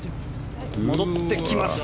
戻ってきます。